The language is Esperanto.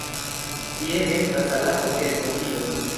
Tie estas salato el kokido.